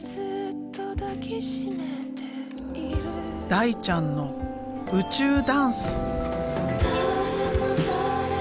大ちゃんの宇宙ダンス！